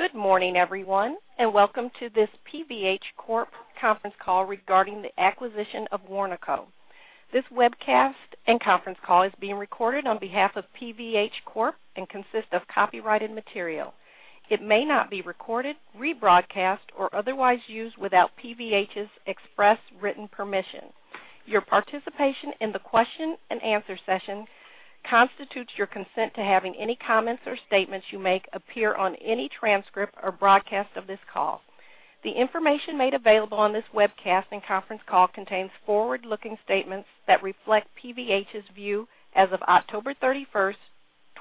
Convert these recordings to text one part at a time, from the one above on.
Good morning, everyone, and welcome to this PVH Corp. conference call regarding the acquisition of Warnaco. This webcast and conference call is being recorded on behalf of PVH Corp. and consists of copyrighted material. It may not be recorded, rebroadcast, or otherwise used without PVH's express written permission. Your participation in the question and answer session constitutes your consent to having any comments or statements you make appear on any transcript or broadcast of this call. The information made available on this webcast and conference call contains forward-looking statements that reflect PVH's view as of October 31st,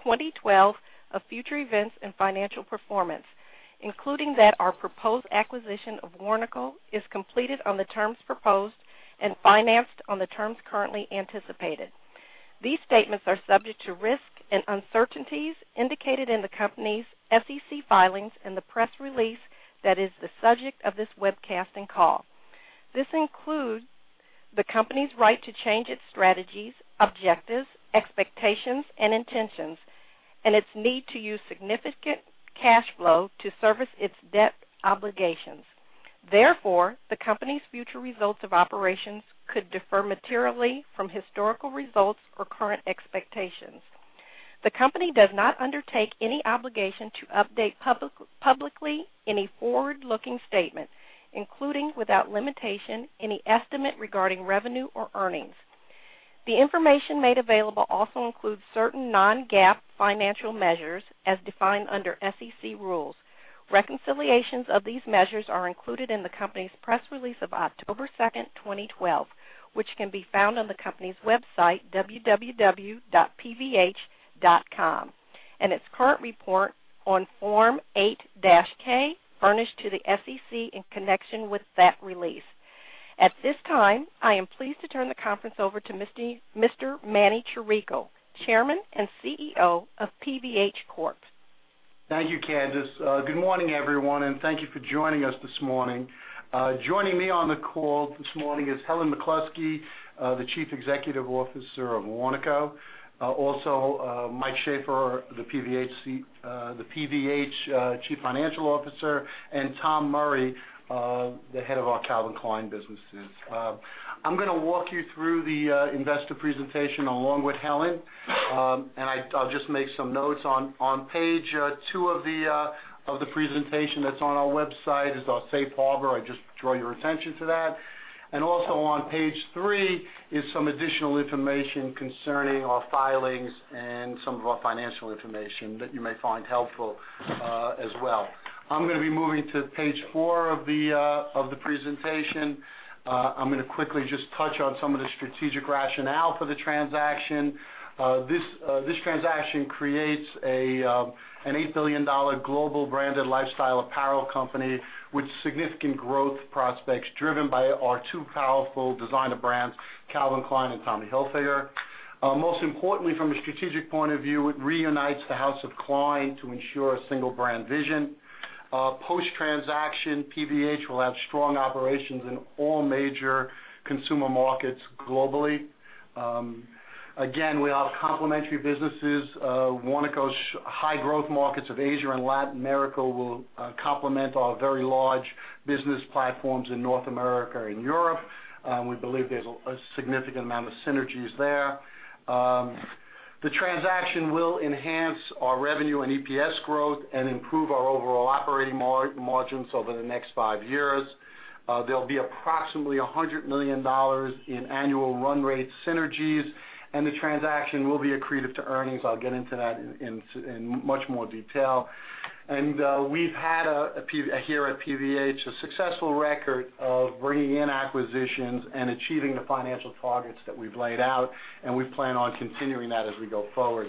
2012, of future events and financial performance, including that our proposed acquisition of Warnaco is completed on the terms proposed and financed on the terms currently anticipated. These statements are subject to risks and uncertainties indicated in the company's SEC filings and the press release that is the subject of this webcast and call. This includes the company's right to change its strategies, objectives, expectations, and intentions, and its need to use significant cash flow to service its debt obligations. The company's future results of operations could differ materially from historical results or current expectations. The company does not undertake any obligation to update publicly any forward-looking statements, including, without limitation, any estimate regarding revenue or earnings. The information made available also includes certain non-GAAP financial measures as defined under SEC rules. Reconciliations of these measures are included in the company's press release of October 2nd, 2012, which can be found on the company's website, www.pvh.com, and its current report on Form 8-K, furnished to the SEC in connection with that release. At this time, I am pleased to turn the conference over to Mr. Manny Chirico, Chairman and CEO of PVH Corp. Thank you, Candice. Good morning, everyone, and thank you for joining us this morning. Joining me on the call this morning is Helen McCluskey, the Chief Executive Officer of Warnaco. Also, Mike Shaffer, the PVH Chief Financial Officer, and Tom Murry, the head of our Calvin Klein businesses. I'm going to walk you through the investor presentation along with Helen. I'll just make some notes. On page two of the presentation that's on our website is our safe harbor. I just draw your attention to that. Also on page three is some additional information concerning our filings and some of our financial information that you may find helpful as well. I'm going to be moving to page four of the presentation. I'm going to quickly just touch on some of the strategic rationale for the transaction. This transaction creates an $8 billion global branded lifestyle apparel company with significant growth prospects driven by our two powerful designer brands, Calvin Klein and Tommy Hilfiger. Most importantly, from a strategic point of view, it reunites the House of Klein to ensure a single brand vision. Post-transaction, PVH will have strong operations in all major consumer markets globally. Again, we are complementary businesses. Warnaco's high-growth markets of Asia and Latin America will complement our very large business platforms in North America and Europe. We believe there's a significant amount of synergies there. The transaction will enhance our revenue and EPS growth and improve our overall operating margins over the next five years. There'll be approximately $100 million in annual run rate synergies, and the transaction will be accretive to earnings. I'll get into that in much more detail. We've had, here at PVH, a successful record of bringing in acquisitions and achieving the financial targets that we've laid out, we plan on continuing that as we go forward.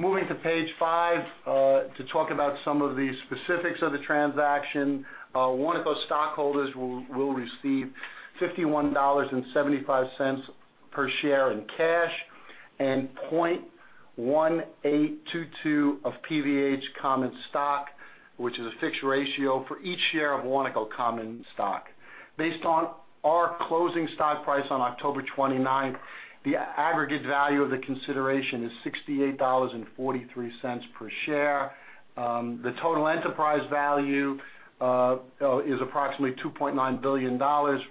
Moving to page five to talk about some of the specifics of the transaction. Warnaco stockholders will receive $51.75 per share in cash and 0.1822 of PVH common stock, which is a fixed ratio for each share of Warnaco common stock. Based on our closing stock price on October 29th, the aggregate value of the consideration is $68.43 per share. The total enterprise value is approximately $2.9 billion,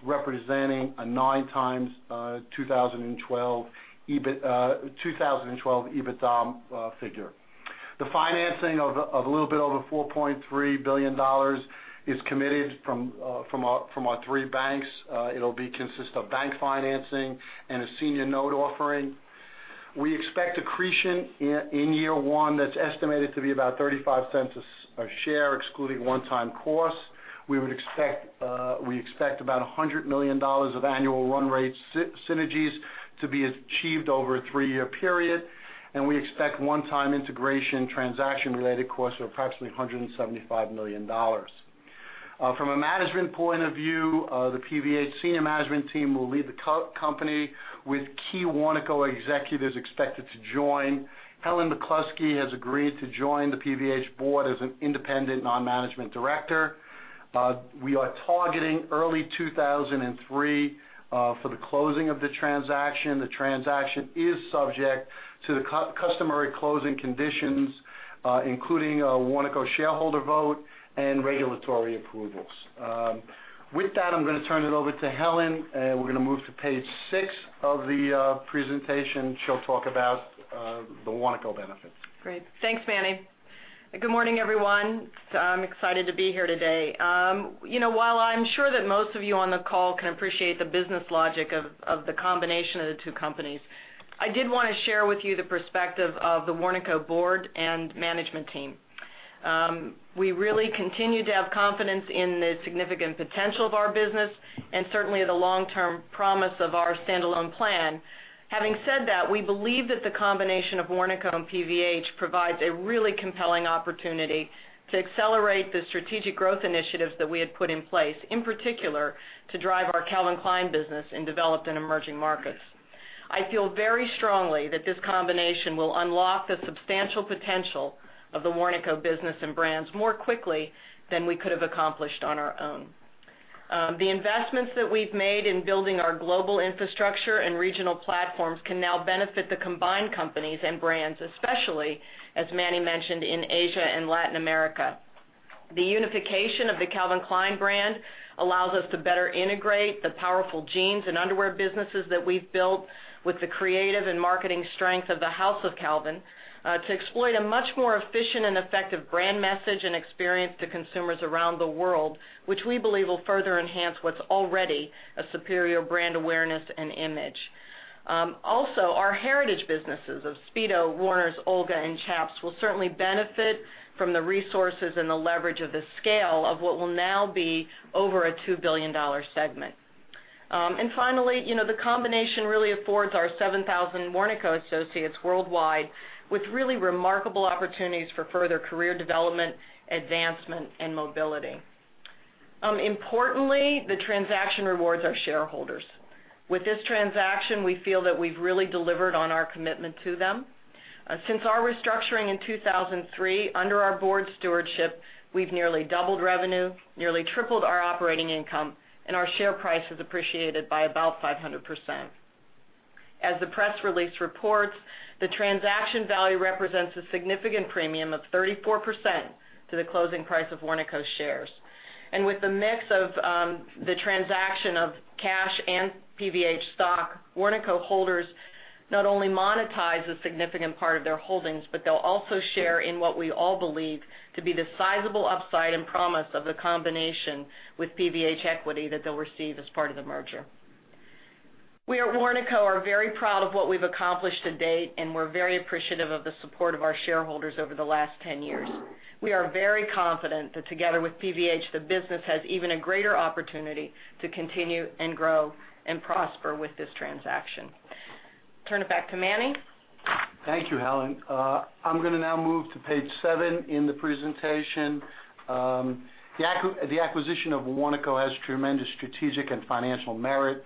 representing a nine times 2012 EBITDA figure. The financing of a little bit over $4.3 billion is committed from our three banks. It'll consist of bank financing and a senior note offering. We expect accretion in year one that's estimated to be about $0.35 a share, excluding one-time costs. We expect about $100 million of annual run rate synergies to be achieved over a three-year period, we expect one-time integration transaction-related costs of approximately $175 million. From a management point of view, the PVH senior management team will lead the company with key Warnaco executives expected to join. Helen McCluskey has agreed to join the PVH board as an independent non-management director. We are targeting early 2013 for the closing of the transaction. The transaction is subject to the customary closing conditions, including a Warnaco shareholder vote and regulatory approvals. I'm going to turn it over to Helen, we're going to move to page six of the presentation. She'll talk about the Warnaco benefits. Great. Thanks, Manny. Good morning, everyone. I'm excited to be here today. While I'm sure that most of you on the call can appreciate the business logic of the combination of the two companies, I did want to share with you the perspective of the Warnaco board and management team. We really continue to have confidence in the significant potential of our business and certainly the long-term promise of our standalone plan. Having said that, we believe that the combination of Warnaco and PVH provides a really compelling opportunity to accelerate the strategic growth initiatives that we had put in place, in particular, to drive our Calvin Klein business in developed and emerging markets. I feel very strongly that this combination will unlock the substantial potential of the Warnaco business and brands more quickly than we could have accomplished on our own. The investments that we've made in building our global infrastructure and regional platforms can now benefit the combined companies and brands, especially, as Manny mentioned, in Asia and Latin America. The unification of the Calvin Klein brand allows us to better integrate the powerful jeans and underwear businesses that we've built with the creative and marketing strength of the House of Calvin to exploit a much more efficient and effective brand message and experience to consumers around the world, which we believe will further enhance what's already a superior brand awareness and image. Also, our heritage businesses of Speedo, Warner's, Olga, and Chaps will certainly benefit from the resources and the leverage of the scale of what will now be over a $2 billion segment. Finally, the combination really affords our 7,000 Warnaco associates worldwide with really remarkable opportunities for further career development, advancement, and mobility. Importantly, the transaction rewards our shareholders. With this transaction, we feel that we've really delivered on our commitment to them. Since our restructuring in 2003, under our board stewardship, we've nearly doubled revenue, nearly tripled our operating income, and our share price has appreciated by about 500%. As the press release reports, the transaction value represents a significant premium of 34% to the closing price of Warnaco shares. With the mix of the transaction of cash and PVH stock, Warnaco holders not only monetize a significant part of their holdings, but they'll also share in what we all believe to be the sizable upside and promise of the combination with PVH equity that they'll receive as part of the merger. We at Warnaco are very proud of what we've accomplished to date, and we're very appreciative of the support of our shareholders over the last 10 years. We are very confident that together with PVH, the business has even a greater opportunity to continue and grow and prosper with this transaction. Turn it back to Manny. Thank you, Helen. I'm going to now move to page seven in the presentation. The acquisition of Warnaco has tremendous strategic and financial merit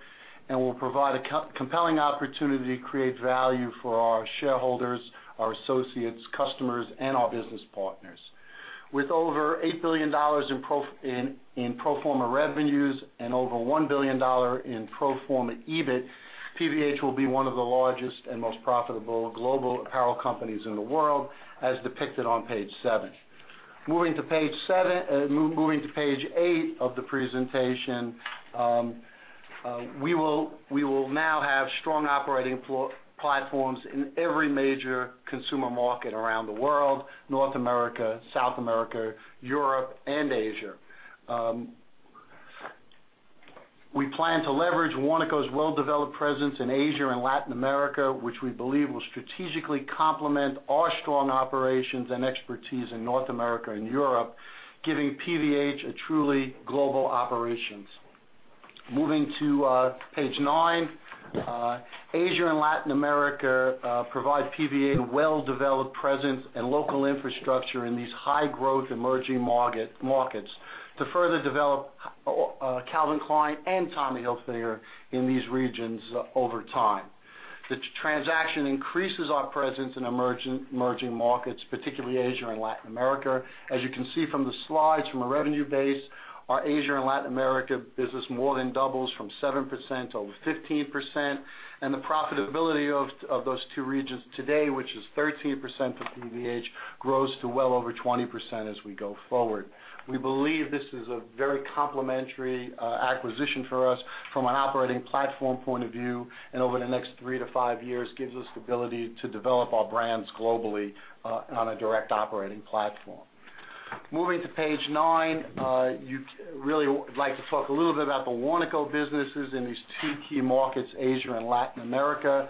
and will provide a compelling opportunity to create value for our shareholders, our associates, customers, and our business partners. With over $8 billion in pro forma revenues and over $1 billion in pro forma EBIT, PVH will be one of the largest and most profitable global apparel companies in the world, as depicted on page seven. Moving to page eight of the presentation, we will now have strong operating platforms in every major consumer market around the world: North America, South America, Europe, and Asia. We plan to leverage Warnaco's well-developed presence in Asia and Latin America, which we believe will strategically complement our strong operations and expertise in North America and Europe, giving PVH a truly global operations. Moving to page nine. Asia and Latin America provide PVH a well-developed presence and local infrastructure in these high-growth emerging markets to further develop Calvin Klein and Tommy Hilfiger in these regions over time. The transaction increases our presence in emerging markets, particularly Asia and Latin America. As you can see from the slides, from a revenue base, our Asia and Latin America business more than doubles from 7% to over 15%, and the profitability of those two regions today, which is 13% of PVH, grows to well over 20% as we go forward. We believe this is a very complementary acquisition for us from an operating platform point of view, and over the next three to five years, gives us the ability to develop our brands globally on a direct operating platform. Moving to page nine, you really would like to talk a little bit about the Warnaco businesses in these two key markets, Asia and Latin America,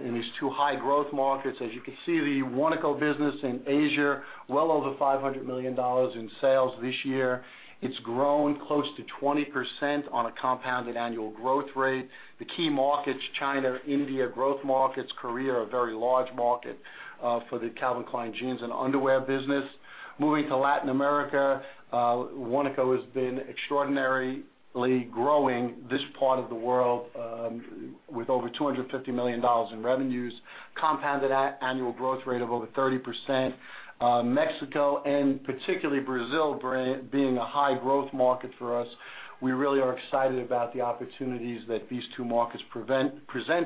in these two high-growth markets. As you can see, the Warnaco business in Asia, well over $500 million in sales this year. It's grown close to 20% on a compounded annual growth rate. The key markets, China, India, growth markets, Korea, a very large market for the Calvin Klein Jeans and underwear business. Moving to Latin America, Warnaco has been extraordinarily growing this part of the world with over $250 million in revenues, compounded annual growth rate of over 30%. Mexico, and particularly Brazil, being a high-growth market for us. We really are excited about the opportunities that these two markets present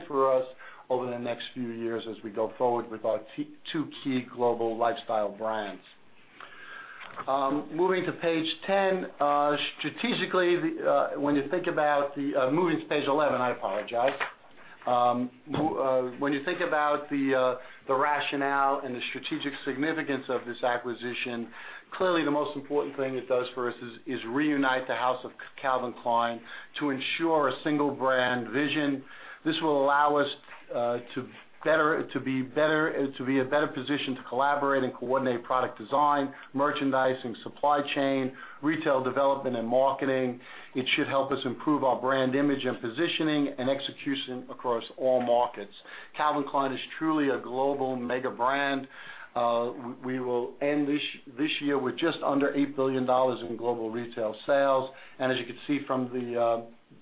for us over the next few years as we go forward with our two key global lifestyle brands. Moving to page 10. Strategically, when you think about moving to page 11, I apologize. When you think about the rationale and the strategic significance of this acquisition, clearly the most important thing it does for us is reunite the House of Calvin Klein to ensure a single brand vision. This will allow us to be in a better position to collaborate and coordinate product design, merchandising, supply chain, retail development, and marketing. It should help us improve our brand image and positioning, and execution across all markets. Calvin Klein is truly a global mega brand. We will end this year with just under $8 billion in global retail sales. As you can see from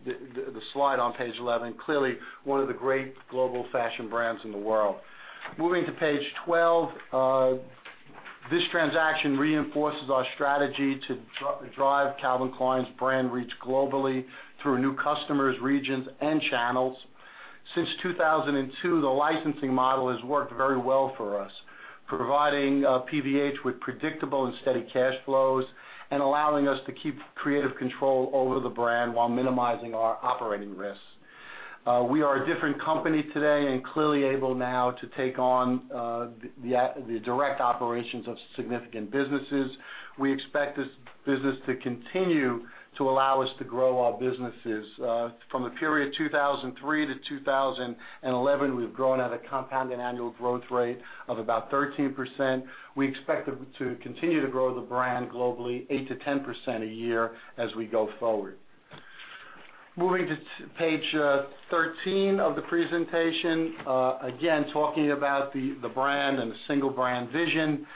the slide on page 11, clearly one of the great global fashion brands in the world. Moving to page 12. This transaction reinforces our strategy to drive Calvin Klein's brand reach globally through new customers, regions, and channels. Since 2002, the licensing model has worked very well for us, providing PVH with predictable and steady cash flows, and allowing us to keep creative control over the brand while minimizing our operating risks. We are a different company today, and clearly able now to take on the direct operations of significant businesses. We expect this business to continue to allow us to grow our businesses. From the period 2003 to 2011, we've grown at a compounded annual growth rate of about 13%. We expect to continue to grow the brand globally 8%-10% a year as we go forward. Moving to page 13 of the presentation. Again, talking about the brand and the single brand vision.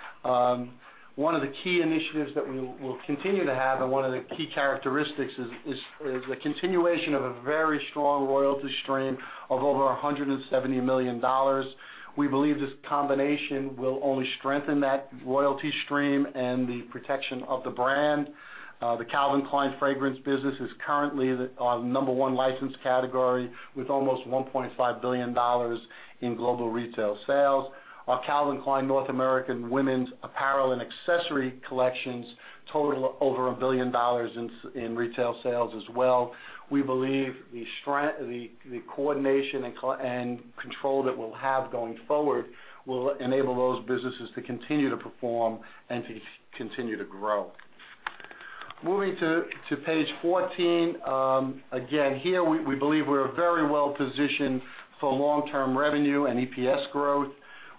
One of the key initiatives that we will continue to have, and one of the key characteristics is the continuation of a very strong royalty stream of over $170 million. We believe this combination will only strengthen that royalty stream and the protection of the brand. The Calvin Klein fragrance business is currently our number one license category, with almost $1.5 billion in global retail sales. Our Calvin Klein North American women's apparel and accessory collections total over $1 billion in retail sales as well. We believe the coordination and control that we'll have going forward will enable those businesses to continue to perform and to continue to grow. Moving to page 14. Again, here we believe we're very well positioned for long-term revenue and EPS growth.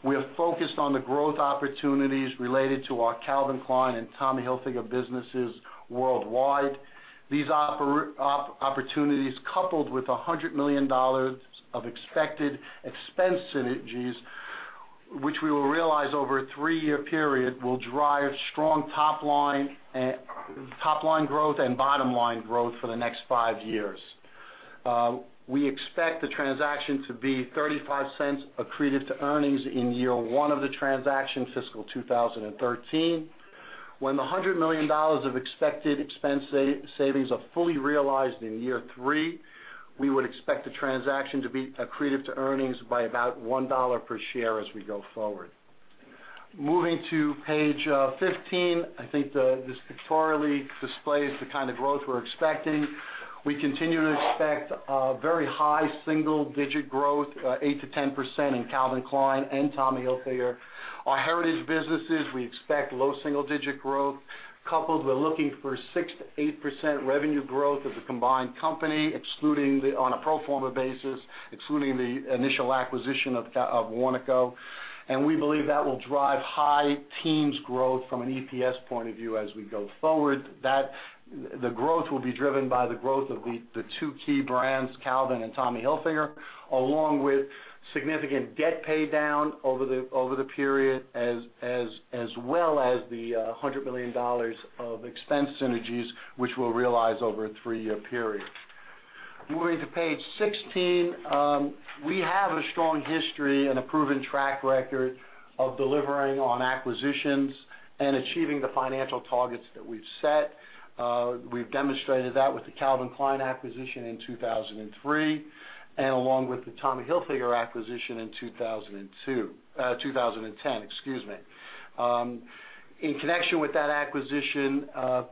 We are focused on the growth opportunities related to our Calvin Klein and Tommy Hilfiger businesses worldwide. These opportunities, coupled with $100 million of expected expense synergies, which we will realize over a three-year period, will drive strong top line growth and bottom line growth for the next five years. We expect the transaction to be $0.35 accretive to earnings in year one of the transaction fiscal 2013. When the $100 million of expected expense savings are fully realized in year three, we would expect the transaction to be accretive to earnings by about $1 per share as we go forward. Moving to page 15. I think this pictorially displays the kind of growth we're expecting. We continue to expect a very high single-digit growth, 8%-10% in Calvin Klein and Tommy Hilfiger. Our heritage businesses, we expect low double-digit growth. Coupled, we're looking for 6%-8% revenue growth of the combined company on a pro forma basis, excluding the initial acquisition of Warnaco. We believe that will drive high teens growth from an EPS point of view as we go forward. The growth will be driven by the growth of the two key brands, Calvin and Tommy Hilfiger, along with significant debt paydown over the period, as well as the $100 million of expense synergies, which we'll realize over a three-year period. Moving to page 16. We have a strong history and a proven track record of delivering on acquisitions and achieving the financial targets that we've set. We've demonstrated that with the Calvin Klein acquisition in 2003, and along with the Tommy Hilfiger acquisition in 2010. In connection with that acquisition,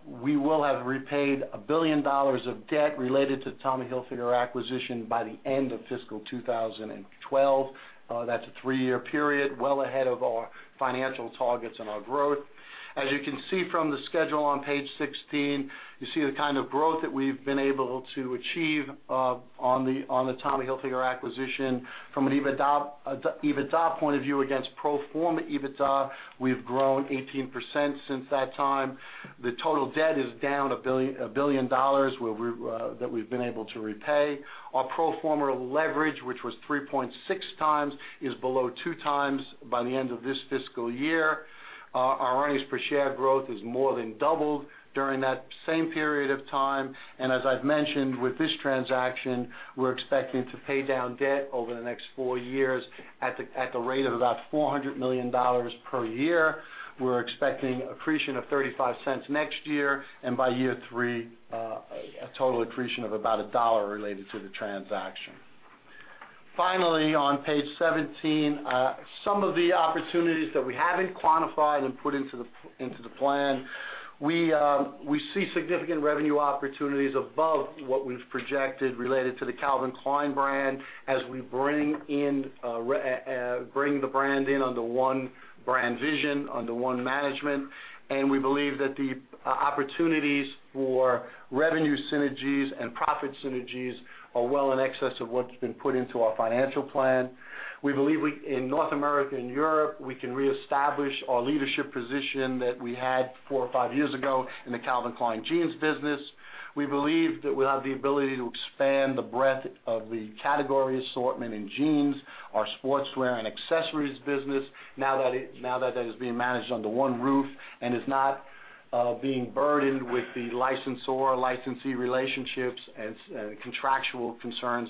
we will have repaid $1 billion of debt related to Tommy Hilfiger acquisition by the end of fiscal 2012. That's a three-year period, well ahead of our financial targets and our growth. As you can see from the schedule on page 16, you see the kind of growth that we've been able to achieve on the Tommy Hilfiger acquisition from an EBITDA point of view against pro forma EBITDA. We've grown 18% since that time. The total debt is down $1 billion that we've been able to repay. Our pro forma leverage, which was 3.6 times, is below two times by the end of this fiscal year. Our earnings per share growth has more than doubled during that same period of time. As I've mentioned, with this transaction, we're expecting to pay down debt over the next four years at the rate of about $400 million per year. We're expecting accretion of $0.35 next year, and by year three, a total accretion of about $1 related to the transaction. Finally, on page 17, some of the opportunities that we haven't quantified and put into the plan. We see significant revenue opportunities above what we've projected related to the Calvin Klein brand as we bring the brand in under one brand vision, under one management. We believe that the opportunities for revenue synergies and profit synergies are well in excess of what's been put into our financial plan. We believe in North America and Europe, we can reestablish our leadership position that we had four or five years ago in the Calvin Klein Jeans business. We believe that we'll have the ability to expand the breadth of the category assortment in jeans, our sportswear, and accessories business now that it is being managed under one roof and is not being burdened with the licensor or licensee relationships and contractual concerns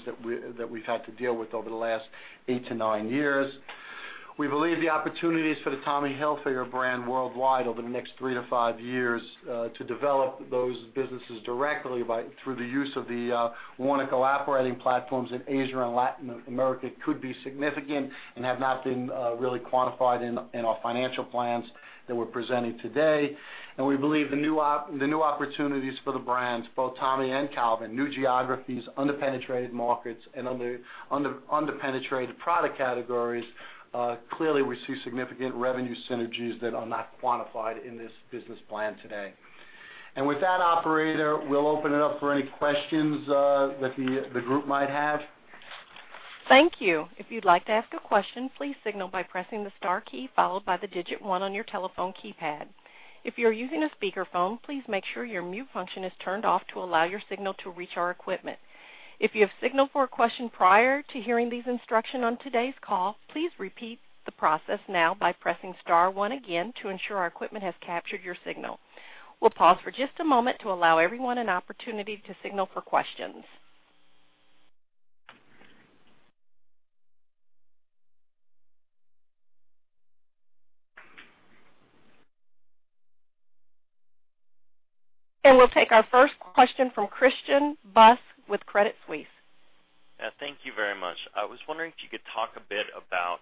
that we've had to deal with over the last eight to nine years. We believe the opportunities for the Tommy Hilfiger brand worldwide over the next three to five years to develop those businesses directly through the use of the Warnaco collaborating platforms in Asia and Latin America could be significant and have not been really quantified in our financial plans that we're presenting today. We believe the new opportunities for the brands, both Tommy and Calvin, new geographies, under-penetrated markets, and under-penetrated product categories. Clearly, we see significant revenue synergies that are not quantified in this business plan today. With that, Operator, we'll open it up for any questions that the group might have. Thank you. If you'd like to ask a question, please signal by pressing the star key, followed by the digit 1 on your telephone keypad. If you're using a speakerphone, please make sure your mute function is turned off to allow your signal to reach our equipment. If you have signaled for a question prior to hearing these instruction on today's call, please repeat the process now by pressing star one again to ensure our equipment has captured your signal. We'll pause for just a moment to allow everyone an opportunity to signal for questions. We'll take our first question from Christian Buss with Credit Suisse. Yeah. Thank you very much. I was wondering if you could talk a bit about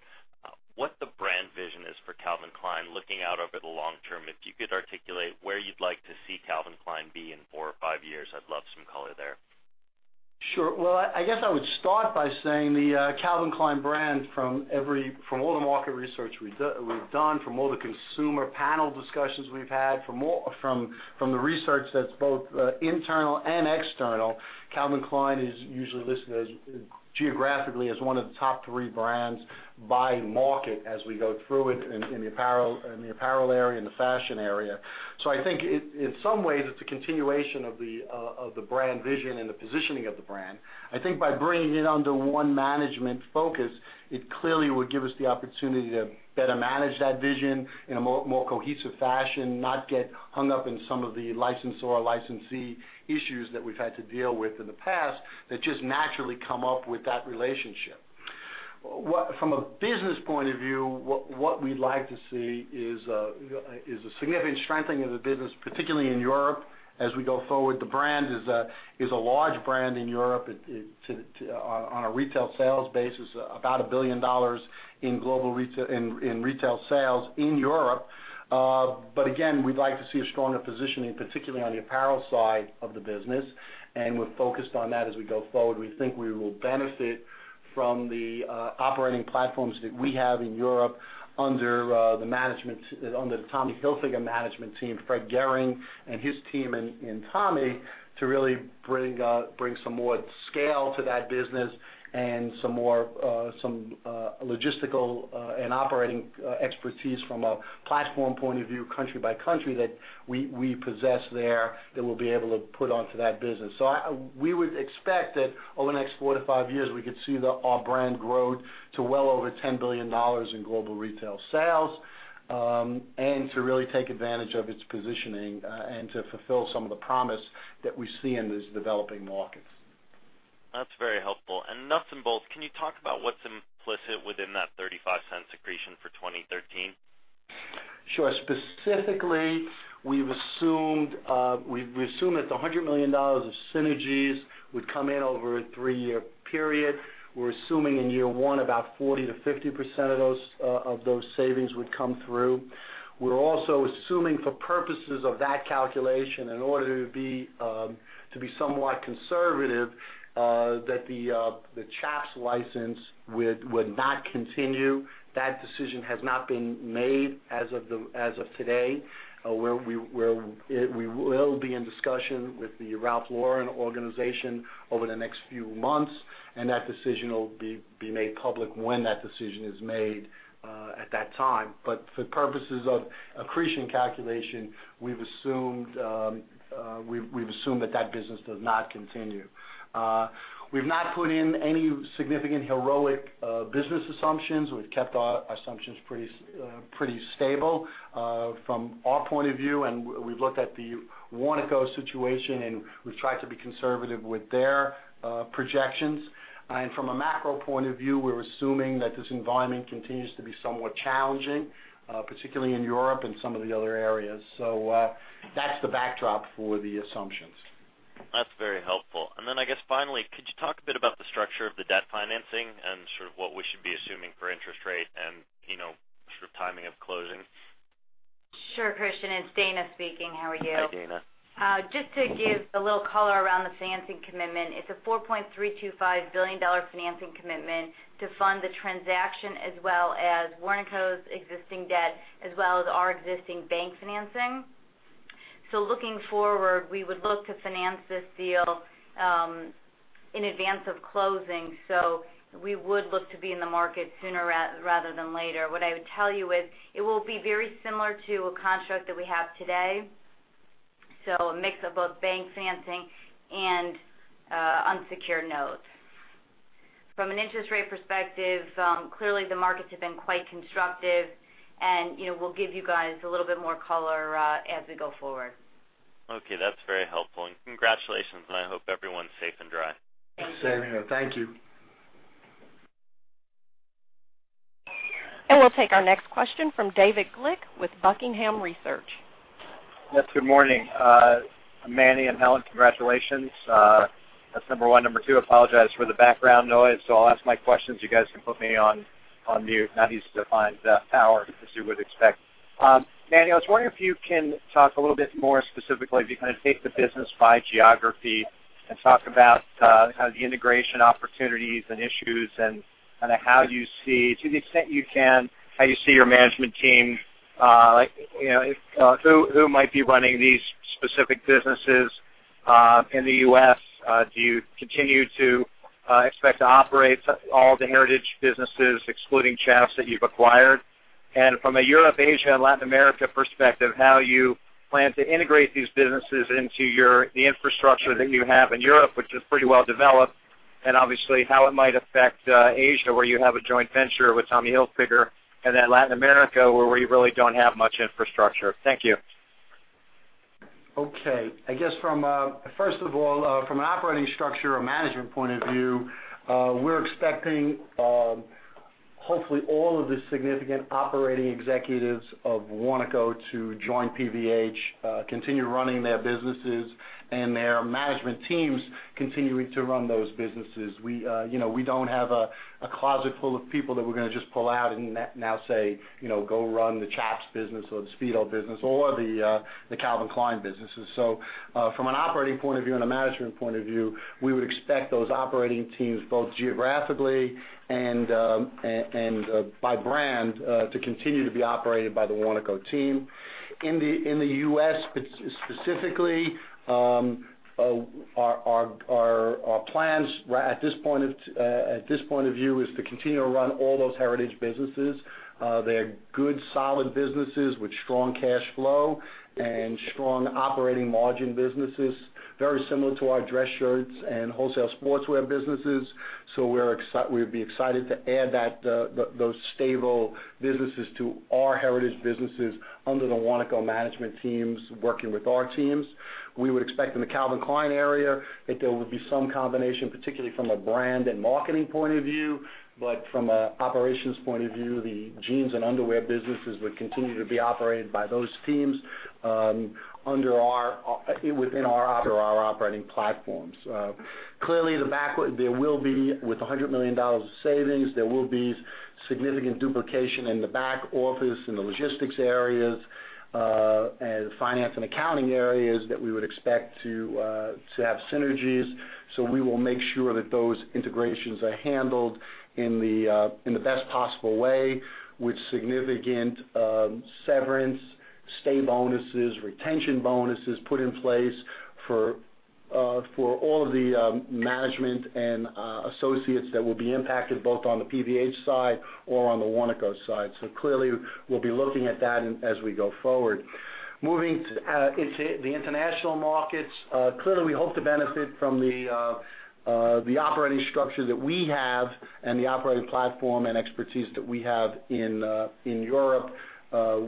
what the brand vision is for Calvin Klein looking out over the long term. If you could articulate where you'd like to see Calvin Klein be in four or five years, I'd love some color there. Sure. Well, I guess I would start by saying the Calvin Klein brand, from all the market research we've done, from all the consumer panel discussions we've had, from the research that's both internal and external, Calvin Klein is usually listed geographically as one of the top three brands by market as we go through it in the apparel area and the fashion area. I think in some ways, it's a continuation of the brand vision and the positioning of the brand. I think by bringing it under one management focus, it clearly would give us the opportunity to better manage that vision in a more cohesive fashion, not get hung up in some of the licensor or licensee issues that we've had to deal with in the past that just naturally come up with that relationship. From a business point of view, what we'd like to see is a significant strengthening of the business, particularly in Europe as we go forward. The brand is a large brand in Europe. On a retail sales basis, about $1 billion in retail sales in Europe. Again, we'd like to see a stronger positioning, particularly on the apparel side of the business, and we're focused on that as we go forward. We think we will benefit from the operating platforms that we have in Europe under the Tommy Hilfiger management team, Fred Gehring and his team in Tommy, to really bring some more scale to that business and some logistical and operating expertise from a platform point of view, country by country, that we possess there that we'll be able to put onto that business. We would expect that over the next four to five years, we could see our brand grow to well over $10 billion in global retail sales, and to really take advantage of its positioning, and to fulfill some of the promise that we see in these developing markets. That's very helpful. Nuts and bolts, can you talk about what's implicit within that $0.35 accretion for 2013? Sure. Specifically, we've assumed that the $100 million of synergies would come in over a three-year period. We're assuming in year one, about 40%-50% of those savings would come through. We're also assuming for purposes of that calculation, in order to be somewhat conservative, that the Chaps license would not continue. That decision has not been made as of today. We will be in discussion with the Ralph Lauren organization over the next few months, and that decision will be made public when that decision is made at that time. For purposes of accretion calculation, we've assumed that that business does not continue. We've not put in any significant heroic business assumptions. We've kept our assumptions pretty stable from our point of view, and we've looked at the Warnaco situation, and we've tried to be conservative with their projections. From a macro point of view, we're assuming that this environment continues to be somewhat challenging, particularly in Europe and some of the other areas. That's the backdrop for the assumptions. That's very helpful. Then I guess finally, could you talk a bit about the structure of the debt financing and sort of what we should be assuming for interest rate and sort of timing of closing? Sure, Christian, it's Dana speaking. How are you? Hi, Dana. Just to give a little color around the financing commitment. It's a $4.325 billion financing commitment to fund the transaction as well as Warnaco's existing debt, as well as our existing bank financing. Looking forward, we would look to finance this deal in advance of closing. We would look to be in the market sooner rather than later. What I would tell you is it will be very similar to a construct that we have today. A mix of both bank financing and unsecured notes. From an interest rate perspective, clearly the markets have been quite constructive, and we'll give you guys a little bit more color as we go forward. Okay, that's very helpful. Congratulations, I hope everyone's safe and dry. Same here. Thank you. We'll take our next question from David Glick with Buckingham Research. Yes, good morning. Manny and Helen, congratulations. That's number one. Number two, apologize for the background noise. I'll ask my questions. You guys can put me on mute. Not easy to find power, as you would expect. Manny, I was wondering if you can talk a little bit more specifically. If you kind of take the business by geography and talk about kind of the integration opportunities and issues and kind of how you see, to the extent you can, how you see your management team. Who might be running these specific businesses in the U.S. Do you continue to expect to operate all the heritage businesses excluding Chaps that you've acquired? From a Europe, Asia, and Latin America perspective, how you plan to integrate these businesses into the infrastructure that you have in Europe, which is pretty well developed, and obviously how it might affect Asia, where you have a joint venture with Tommy Hilfiger, and then Latin America, where you really don't have much infrastructure. Thank you. I guess first of all, from an operating structure or management point of view, we're expecting, hopefully all of the significant operating executives of Warnaco to join PVH, continue running their businesses, and their management teams continuing to run those businesses. We don't have a closet full of people that we're gonna just pull out and now say, "Go run the Chaps business or the Speedo business or the Calvin Klein businesses." From an operating point of view and a management point of view, we would expect those operating teams, both geographically and by brand, to continue to be operated by the Warnaco team. In the U.S. specifically, our plans at this point of view is to continue to run all those heritage businesses. They're good, solid businesses with strong cash flow and strong operating margin businesses, very similar to our dress shirts and wholesale sportswear businesses. We'll be excited to add those stable businesses to our heritage businesses under the Warnaco management teams, working with our teams. We would expect in the Calvin Klein area that there would be some combination, particularly from a brand and marketing point of view, but from an operations point of view, the jeans and underwear businesses would continue to be operated by those teams within our operating platforms. Clearly, there will be, with $100 million of savings, there will be significant duplication in the back office, in the logistics areas, and finance and accounting areas that we would expect to have synergies. We will make sure that those integrations are handled in the best possible way with significant severance, stay bonuses, retention bonuses put in place for all of the management and associates that will be impacted, both on the PVH side or on the Warnaco side. Clearly, we'll be looking at that as we go forward. Moving into the international markets. Clearly, we hope to benefit from the operating structure that we have and the operating platform and expertise that we have in Europe,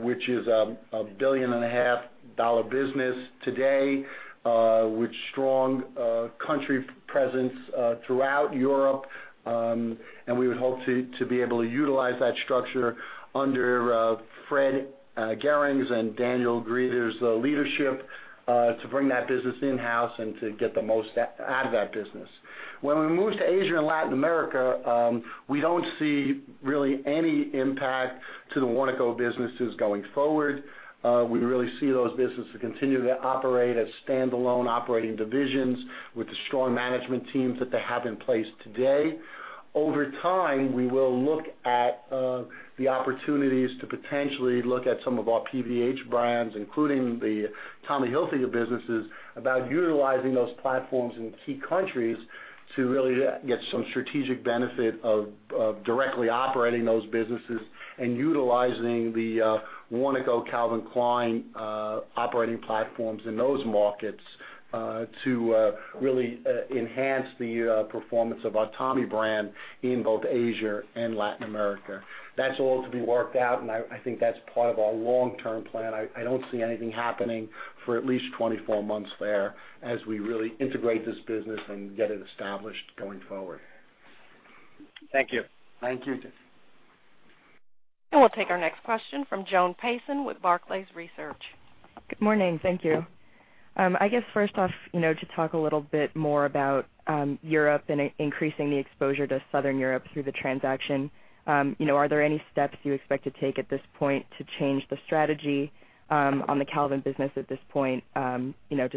which is a $1.5 billion business today, with strong country presence throughout Europe. We would hope to be able to utilize that structure under Fred Gehring's and Daniel Grieder's leadership to bring that business in-house and to get the most out of that business. When we move to Asia and Latin America, we don't see really any impact to the Warnaco businesses going forward. We really see those businesses continue to operate as standalone operating divisions with the strong management teams that they have in place today. Over time, we will look at the opportunities to potentially look at some of our PVH brands, including the Tommy Hilfiger businesses, about utilizing those platforms in key countries to really get some strategic benefit of directly operating those businesses and utilizing the Warnaco Calvin Klein operating platforms in those markets to really enhance the performance of our Tommy brand in both Asia and Latin America. That's all to be worked out, and I think that's part of our long-term plan. I don't see anything happening for at least 24 months there as we really integrate this business and get it established going forward. Thank you. Thank you. We'll take our next question from Joan Payson with Barclays Research. Good morning. Thank you. I guess first off, to talk a little bit more about Europe and increasing the exposure to Southern Europe through the transaction. Are there any steps you expect to take at this point to change the strategy on the Calvin business at this point, to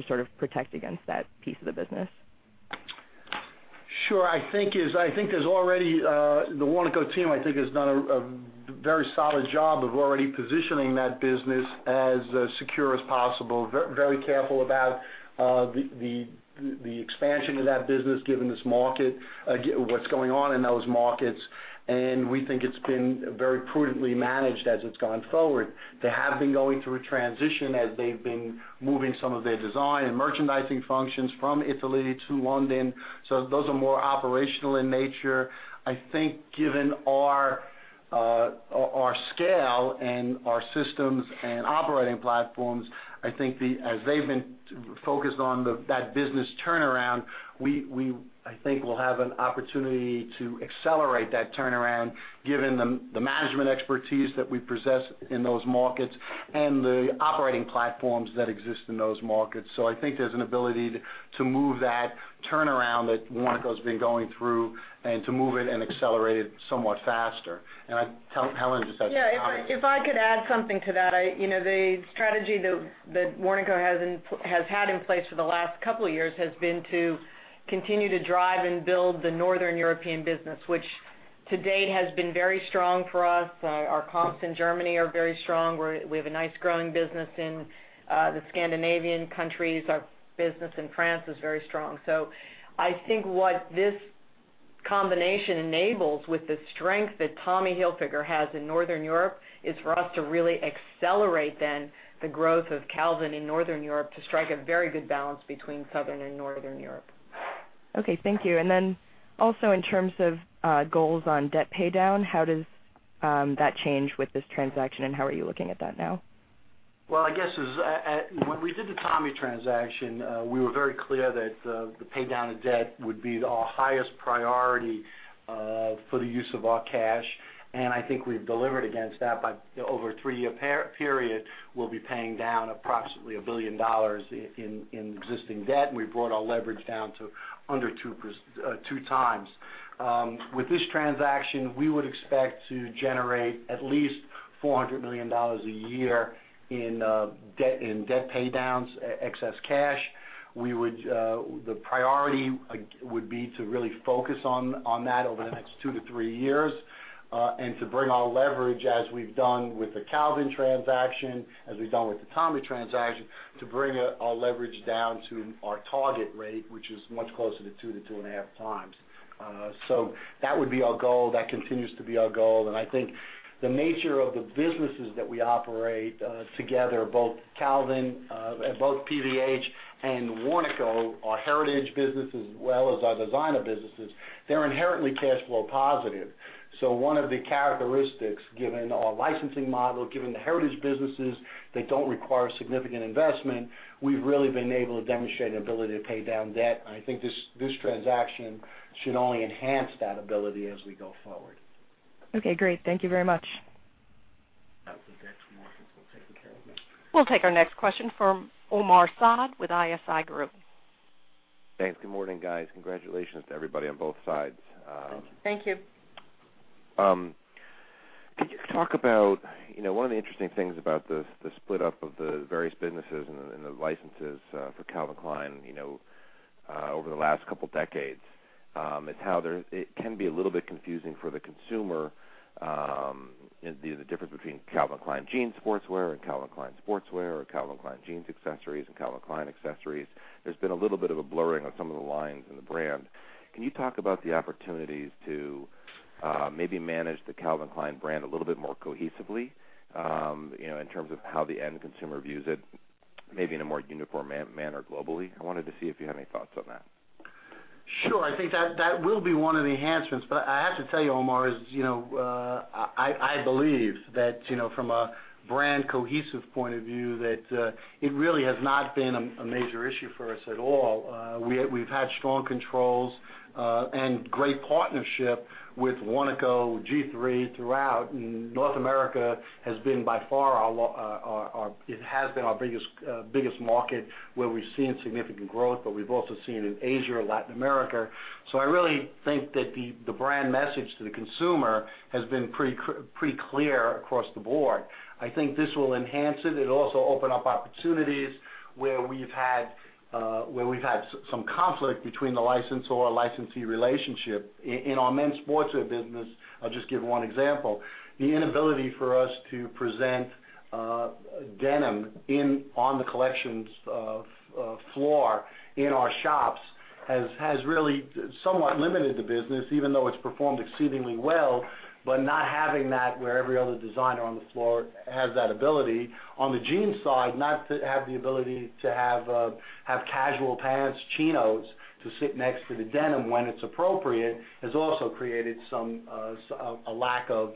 sort of protect against that piece of the business? Sure. The Warnaco team, I think, has done a very solid job of already positioning that business as secure as possible. Very careful about the expansion of that business given this market, what's going on in those markets, and we think it's been very prudently managed as it's gone forward. They have been going through a transition as they've been moving some of their design and merchandising functions from Italy to London, so those are more operational in nature. I think given our scale and our systems and operating platforms, I think as they've been focused on that business turnaround, we, I think, will have an opportunity to accelerate that turnaround given the management expertise that we possess in those markets and the operating platforms that exist in those markets. I think there's an ability to move that turnaround that Warnaco's been going through and to move it and accelerate it somewhat faster. Helen just has some comments. If I could add something to that. The strategy that Warnaco has had in place for the last couple of years has been to continue to drive and build the Northern European business, which to date has been very strong for us. Our comps in Germany are very strong. We have a nice growing business in the Scandinavian countries. Our business in France is very strong. I think what this combination enables with the strength that Tommy Hilfiger has in Northern Europe, is for us to really accelerate then the growth of Calvin in Northern Europe to strike a very good balance between Southern and Northern Europe. Thank you. Also in terms of goals on debt paydown, how does that change with this transaction and how are you looking at that now? Well, I guess when we did the Tommy transaction, we were very clear that the paydown of debt would be our highest priority for the use of our cash, and I think we've delivered against that by over a three-year period, we'll be paying down approximately $1 billion in existing debt, and we've brought our leverage down to under two times. With this transaction, we would expect to generate at least $400 million a year in debt paydowns, excess cash. The priority would be to really focus on that over the next two to three years, and to bring our leverage, as we've done with the Calvin transaction, as we've done with the Tommy transaction, to bring our leverage down to our target rate, which is much closer to two to two and a half times. That would be our goal. That continues to be our goal. I think the nature of the businesses that we operate together, both PVH and Warnaco, our heritage businesses, as well as our designer businesses, they're inherently cash flow positive. One of the characteristics, given our licensing model, given the heritage businesses that don't require significant investment, we've really been able to demonstrate an ability to pay down debt. I think this transaction should only enhance that ability as we go forward. Okay, great. Thank you very much. We'll take our next question from Omar Saad with ISI Group. Thanks. Good morning, guys. Congratulations to everybody on both sides. Thank you. Thank you. One of the interesting things about the split up of the various businesses and the licenses for Calvin Klein over the last couple decades, is how it can be a little bit confusing for the consumer, the difference between Calvin Klein Jeans Sportswear, and Calvin Klein Sportswear, or Calvin Klein Jeans Accessories, and Calvin Klein Accessories. There's been a little bit of a blurring on some of the lines in the brand. Can you talk about the opportunities to maybe manage the Calvin Klein brand a little bit more cohesively, in terms of how the end consumer views it, maybe in a more uniform manner globally? I wanted to see if you have any thoughts on that. Sure. I think that will be one of the enhancements. I have to tell you, Omar, I believe that from a brand cohesive point of view, that it really has not been a major issue for us at all. We've had strong controls, and great partnership with Warnaco, G-III, throughout. North America has been by far our biggest market where we've seen significant growth, but we've also seen it in Asia or Latin America. I really think that the brand message to the consumer has been pretty clear across the board. I think this will enhance it. It'll also open up opportunities where we've had some conflict between the licensor or licensee relationship. In our men's sportswear business, I'll just give one example. The inability for us to present denim on the collections floor in our shops has really somewhat limited the business, even though it's performed exceedingly well, but not having that where every other designer on the floor has that ability. On the jeans side, not to have the ability to have casual pants, chinos, to sit next to the denim when it's appropriate, has also created a lack of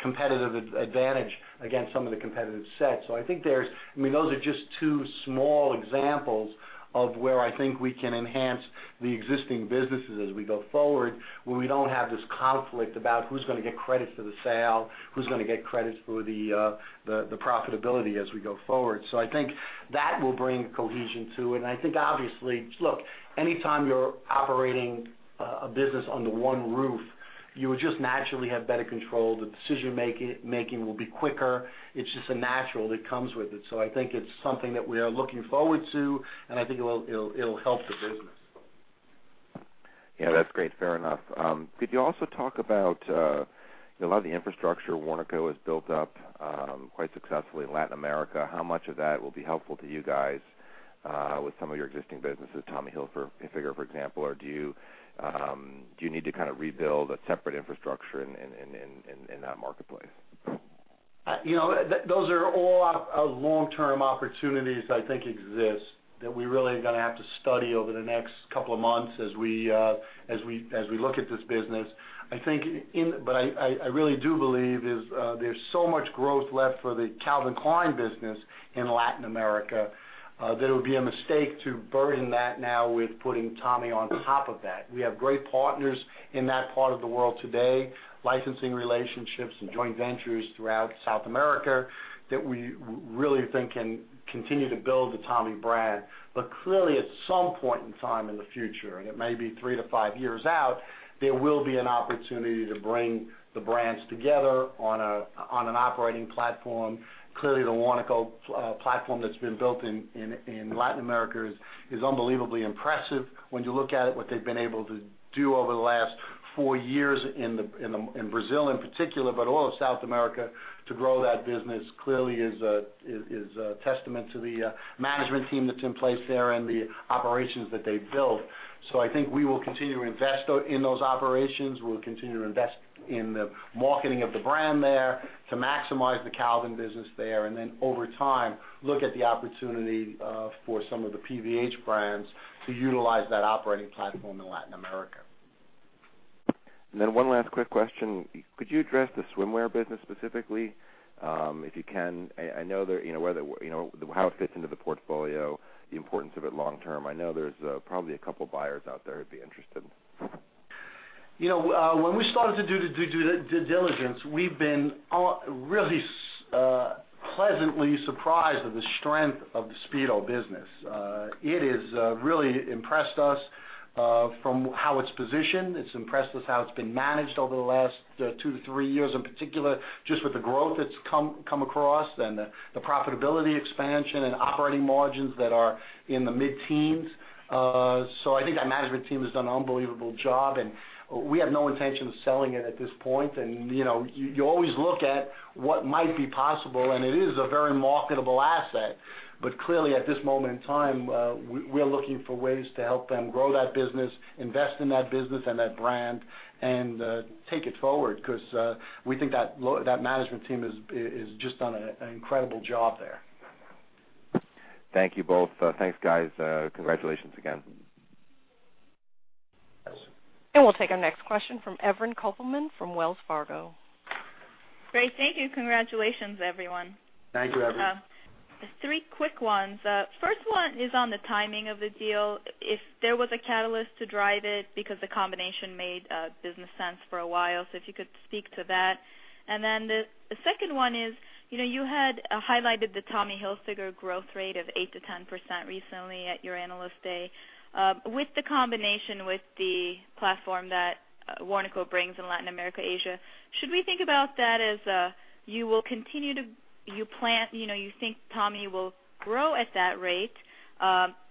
competitive advantage against some of the competitive set. I think those are just two small examples of where I think we can enhance the existing businesses as we go forward, where we don't have this conflict about who's going to get credit for the sale, who's going to get credit for the profitability as we go forward. I think that will bring cohesion to it. I think, obviously, look, anytime you're operating a business under one roof, you will just naturally have better control. The decision-making will be quicker. It's just natural. That comes with it. I think it's something that we are looking forward to, and I think it'll help the business. Yeah, that's great. Fair enough. Could you also talk about a lot of the infrastructure Warnaco has built up quite successfully in Latin America. How much of that will be helpful to you guys with some of your existing businesses, Tommy Hilfiger, for example, or do you need to kind of rebuild a separate infrastructure in that marketplace? Those are all long-term opportunities that I think exist, that we really are going to have to study over the next couple of months as we look at this business. I really do believe there's so much growth left for the Calvin Klein business in Latin America, that it would be a mistake to burden that now with putting Tommy on top of that. We have great partners in that part of the world today, licensing relationships and joint ventures throughout South America, that we really think can continue to build the Tommy brand. Clearly, at some point in time in the future, and it may be three to five years out, there will be an opportunity to bring the brands together on an operating platform. Clearly, the Warnaco platform that's been built in Latin America is unbelievably impressive. When you look at it, what they've been able to do over the last four years in Brazil in particular, but all of South America to grow that business, clearly is a testament to the management team that's in place there and the operations that they've built. I think we will continue to invest in those operations. We'll continue to invest in the marketing of the brand there to maximize the Calvin business there, and then over time, look at the opportunity for some of the PVH brands to utilize that operating platform in Latin America. One last quick question. Could you address the swimwear business specifically? If you can, I know how it fits into the portfolio, the importance of it long term. I know there's probably a couple buyers out there who'd be interested. When we started to do the due diligence, we've been really pleasantly surprised at the strength of the Speedo business. It has really impressed us from how it's positioned. It's impressed us how it's been managed over the last two to three years, in particular, just with the growth it's come across, then the profitability expansion and operating margins that are in the mid-teens. I think that management team has done an unbelievable job, and we have no intention of selling it at this point. You always look at what might be possible, and it is a very marketable asset. Clearly, at this moment in time, we're looking for ways to help them grow that business, invest in that business and that brand, and take it forward, because we think that management team has just done an incredible job there. Thank you both. Thanks, guys. Congratulations again. We'll take our next question from Evren Kopelman from Wells Fargo. Great. Thank you. Congratulations, everyone. Thank you, Evren. Just three quick ones. The first one is on the timing of the deal, if there was a catalyst to drive it because the combination made business sense for a while. If you could speak to that. The second one is, you had highlighted the Tommy Hilfiger growth rate of 8%-10% recently at your Analyst Day. With the combination with the platform that Warnaco brings in Latin America, Asia, should we think about that as you think Tommy will grow at that rate,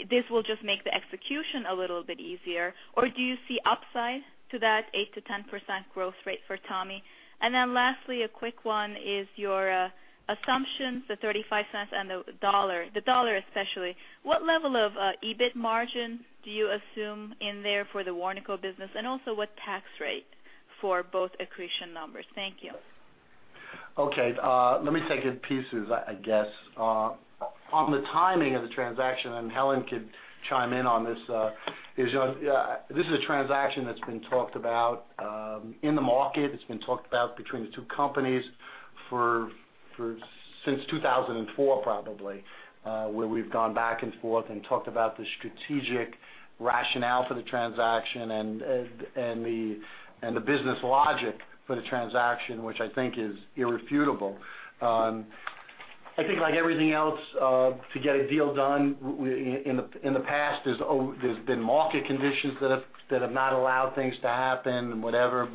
this will just make the execution a little bit easier? Or do you see upside to that 8%-10% growth rate for Tommy? Lastly, a quick one is your assumptions, the $0.35 and the $1, the $1 especially. What level of EBIT margin do you assume in there for the Warnaco business, and also what tax rate for both accretion numbers? Thank you. Okay. Let me take it in pieces, I guess. On the timing of the transaction, and Helen could chime in on this is a transaction that's been talked about in the market. It's been talked about between the two companies since 2004, probably, where we've gone back and forth and talked about the strategic rationale for the transaction and the business logic for the transaction, which I think is irrefutable. I think like everything else, to get a deal done in the past, there's been market conditions that have not allowed things to happen and whatever.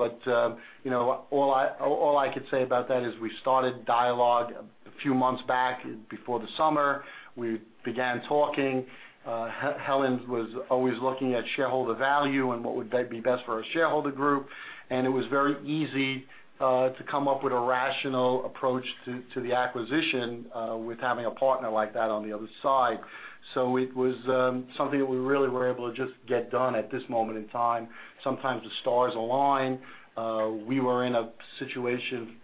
All I could say about that is we started dialogue a few months back, before the summer. We began talking. Helen was always looking at shareholder value and what would be best for our shareholder group, and it was very easy to come up with a rational approach to the acquisition with having a partner like that on the other side. It was something that we really were able to just get done at this moment in time. Sometimes the stars align. We were in a situation,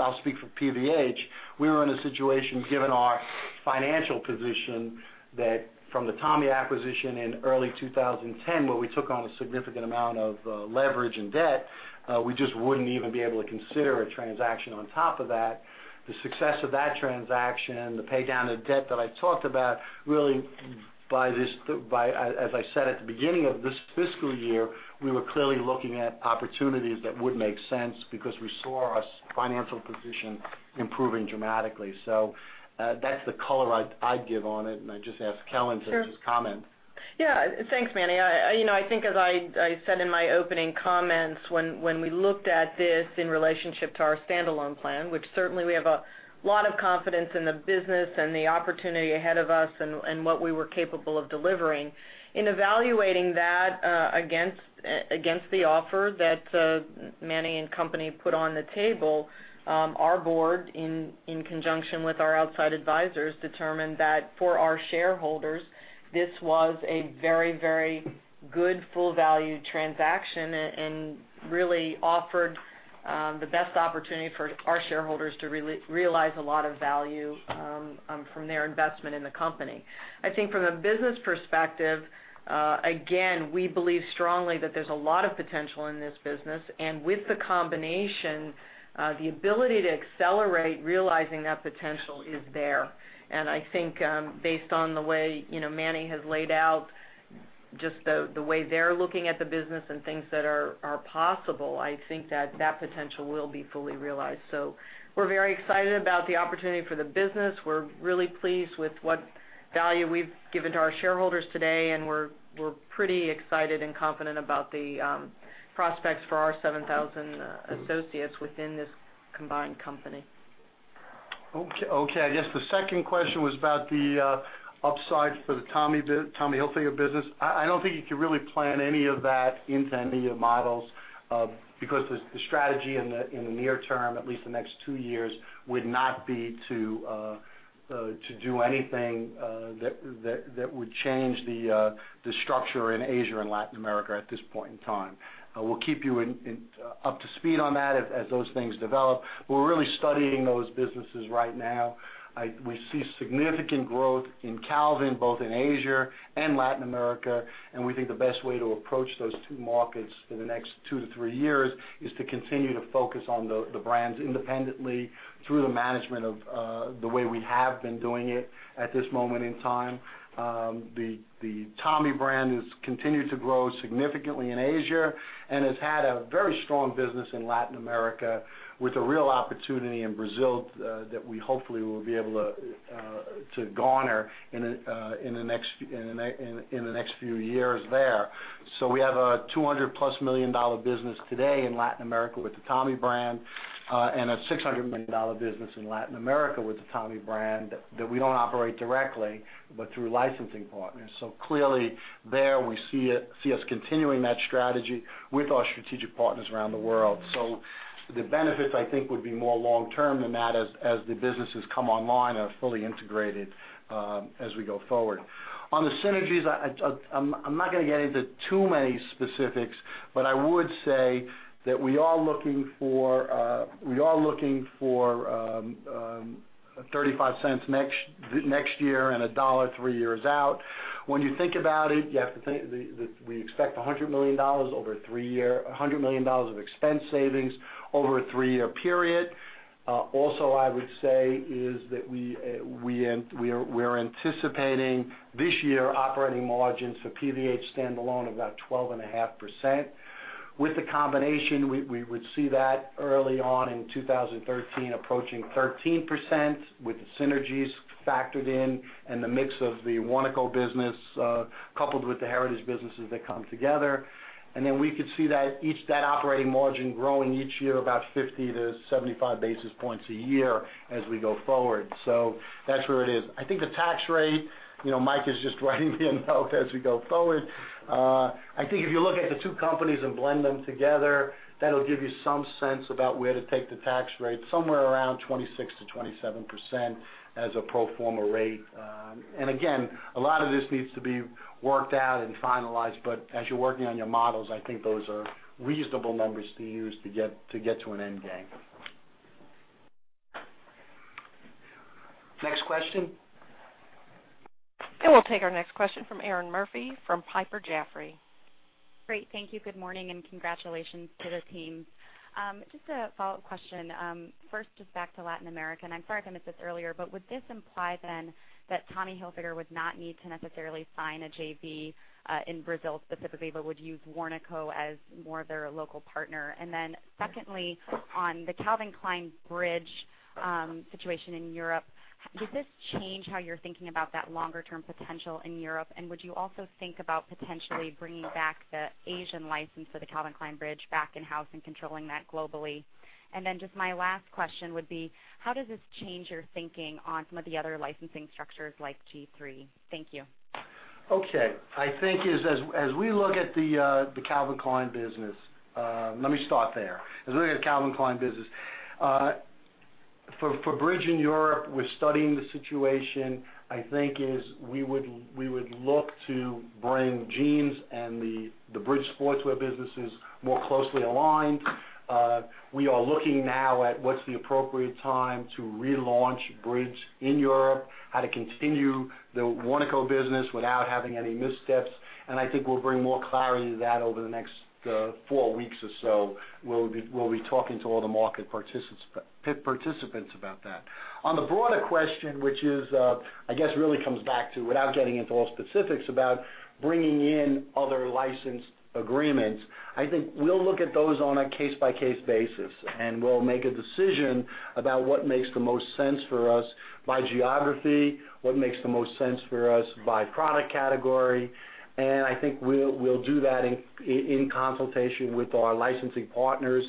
I'll speak for PVH. We were in a situation, given our financial position, that from the Tommy acquisition in early 2010, where we took on a significant amount of leverage and debt, we just wouldn't even be able to consider a transaction on top of that. The success of that transaction, the pay down of debt that I talked about, really, as I said at the beginning of this fiscal year, we were clearly looking at opportunities that would make sense because we saw our financial position improving dramatically. That's the color I'd give on it, and I just ask Helen to just comment. Thanks, Manny. I think as I said in my opening comments, when we looked at this in relationship to our standalone plan, which certainly we have a lot of confidence in the business and the opportunity ahead of us, and what we were capable of delivering. In evaluating that against the offer that Manny and company put on the table, our board, in conjunction with our outside advisors, determined that for our shareholders, this was a very good full-value transaction, and really offered the best opportunity for our shareholders to realize a lot of value from their investment in the company. I think from a business perspective, again, we believe strongly that there's a lot of potential in this business, and with the combination, the ability to accelerate realizing that potential is there. I think, based on the way Manny has laid out, just the way they're looking at the business and things that are possible, I think that potential will be fully realized. We're very excited about the opportunity for the business. We're really pleased with what value we've given to our shareholders today, and we're pretty excited and confident about the prospects for our 7,000 associates within this combined company. I guess the second question was about the upside for the Tommy Hilfiger business. I don't think you can really plan any of that into any of your models, because the strategy in the near term, at least the next two years, would not be to do anything that would change the structure in Asia and Latin America at this point in time. We'll keep you up to speed on that as those things develop. We're really studying those businesses right now. We see significant growth in Calvin, both in Asia and Latin America, and we think the best way to approach those two markets for the next two to three years is to continue to focus on the brands independently through the management of the way we have been doing it at this moment in time. The Tommy brand has continued to grow significantly in Asia, has had a very strong business in Latin America with a real opportunity in Brazil that we hopefully will be able to garner in the next few years there. We have a $200-plus million business today in Latin America with the Tommy brand, and a $600 million business in Latin America with the Tommy brand that we don't operate directly, but through licensing partners. Clearly there, we see us continuing that strategy with our strategic partners around the world. The benefits, I think, would be more long term than that as the businesses come online and are fully integrated as we go forward. On the synergies, I'm not going to get into too many specifics, but I would say that we are looking for $0.35 next year and $1 three years out. When you think about it, we expect $100 million of expense savings over a three-year period. Also, I would say is that we're anticipating this year operating margins for PVH standalone of about 12.5%. With the combination, we would see that early on in 2013, approaching 13% with the synergies factored in and the mix of the Warnaco business, coupled with the heritage businesses that come together. Then we could see that operating margin growing each year about 50 to 75 basis points a year as we go forward. That's where it is. I think the tax rate, Mike is just writing me a note as we go forward. I think if you look at the two companies and blend them together, that'll give you some sense about where to take the tax rate, somewhere around 26%-27% as a pro forma rate. Again, a lot of this needs to be worked out and finalized, as you're working on your models, I think those are reasonable numbers to use to get to an end game. Next question. We'll take our next question from Erinn Murphy from Piper Jaffray. Great. Thank you. Good morning, and congratulations to the team. Just a follow-up question. First, just back to Latin America, I'm sorry if I missed this earlier, but would this imply that Tommy Hilfiger would not need to necessarily sign a JV in Brazil specifically, but would use Warnaco as more of their local partner? Secondly, on the Calvin Klein Bridge situation in Europe, does this change how you're thinking about that longer term potential in Europe? Would you also think about potentially bringing back the Asian license for the Calvin Klein Bridge back in-house and controlling that globally? Just my last question would be: how does this change your thinking on some of the other licensing structures like G-III? Thank you. Okay. I think as we look at the Calvin Klein business, let me start there. As we look at the Calvin Klein business, for Bridge in Europe, we're studying the situation. I think we would look to bring jeans and the Bridge sportswear businesses more closely aligned. We are looking now at what's the appropriate time to relaunch Bridge in Europe, how to continue the Warnaco business without having any missteps, and I think we'll bring more clarity to that over the next four weeks or so. We'll be talking to all the market participants about that. On the broader question, which I guess really comes back to, without getting into all specifics about bringing in other license agreements, I think we'll look at those on a case-by-case basis, and we'll make a decision about what makes the most sense for us by geography, what makes the most sense for us by product category, and I think we'll do that in consultation with our licensing partners.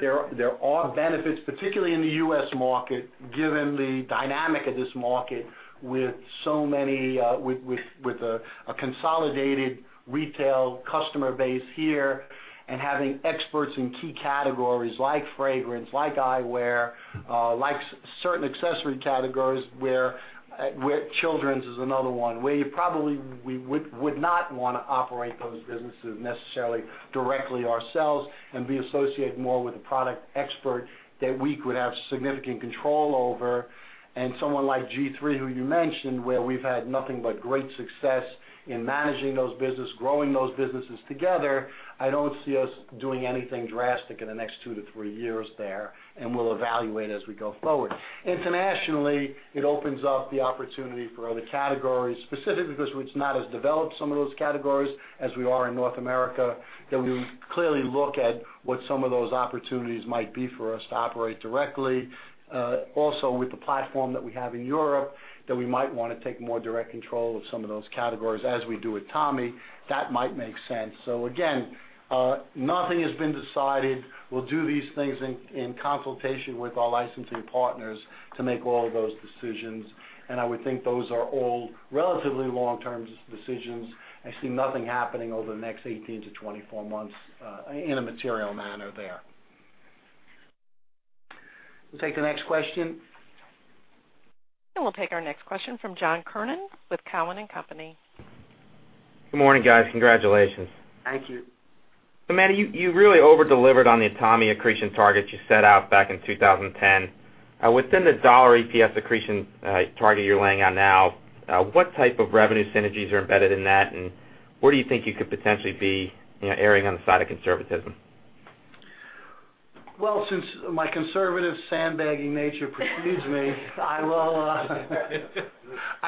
There are benefits, particularly in the U.S. market, given the dynamic of this market with a consolidated retail customer base here and having experts in key categories like fragrance, like eyewear, like certain accessory categories, children's is another one, where probably we would not want to operate those businesses necessarily directly ourselves and be associated more with a product expert that we could have significant control over. Someone like G-III, who you mentioned, where we've had nothing but great success in managing those businesses, growing those businesses together. I don't see us doing anything drastic in the next two to three years there, and we'll evaluate as we go forward. Internationally, it opens up the opportunity for other categories, specifically because it's not as developed some of those categories as we are in North America, that we clearly look at what some of those opportunities might be for us to operate directly. Also, with the platform that we have in Europe, that we might want to take more direct control of some of those categories as we do with Tommy. That might make sense. Again, nothing has been decided. We'll do these things in consultation with our licensing partners to make all those decisions, and I would think those are all relatively long-term decisions. I see nothing happening over the next 18-24 months in a material manner there. We'll take the next question. We'll take our next question from John Kernan with Cowen and Company. Good morning, guys. Congratulations. Thank you. Manny, you really over-delivered on the Tommy accretion targets you set out back in 2010. Within the dollar EPS accretion target you're laying out now, what type of revenue synergies are embedded in that, and where do you think you could potentially be erring on the side of conservatism? Since my conservative sandbagging nature precedes me I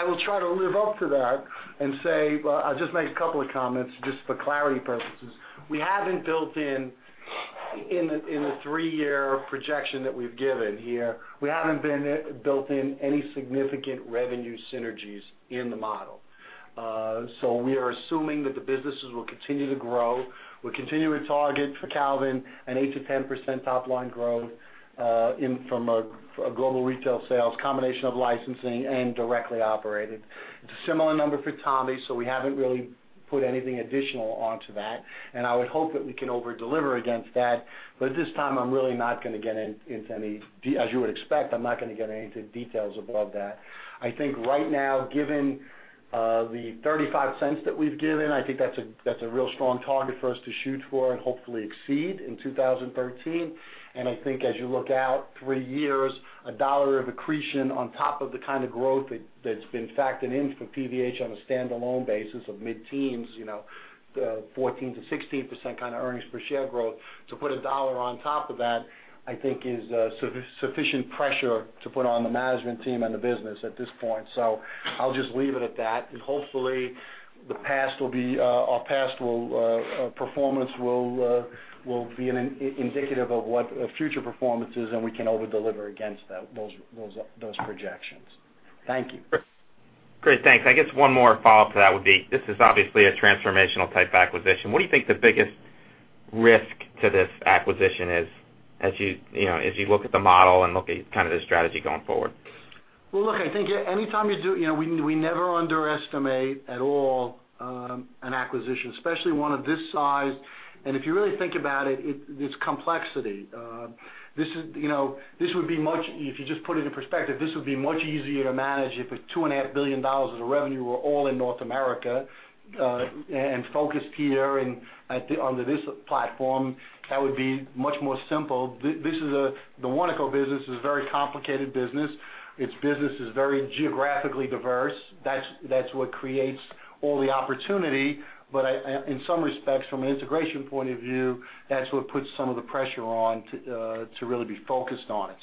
will try to live up to that and say, I'll just make a couple of comments just for clarity purposes. We haven't built in the three-year projection that we've given here, any significant revenue synergies in the model. We are assuming that the businesses will continue to grow. We continue to target for Calvin an 8%-10% top-line growth from a global retail sales combination of licensing and directly operated. It's a similar number for Tommy, we haven't really put anything additional onto that, and I would hope that we can over-deliver against that. At this time, I'm really not going to get into any, as you would expect, I'm not going to get into details above that. I think right now, given the $0.35 that we've given, I think that's a real strong target for us to shoot for and hopefully exceed in 2013. I think as you look out three years, $1 of accretion on top of the kind of growth that's been factored in for PVH on a standalone basis of mid-teens, 14%-16% kind of earnings per share growth. To put $1 on top of that, I think is sufficient pressure to put on the management team and the business at this point. I'll just leave it at that, and hopefully performance will be indicative of what future performance is, and we can over-deliver against those projections. Thank you. Great. Thanks. I guess one more follow-up to that would be, this is obviously a transformational type acquisition. What do you think the biggest risk to this acquisition is as you look at the model and look at kind of the strategy going forward? Well, look, I think anytime you do. We never underestimate at all an acquisition, especially one of this size. If you really think about it, its complexity. If you just put it in perspective, this would be much easier to manage if a $2.5 billion of revenue were all in North America and focused here under this platform. That would be much more simple. The Warnaco business is a very complicated business. Its business is very geographically diverse. That's what creates all the opportunity. In some respects, from an integration point of view, that's what puts some of the pressure on to really be focused on it.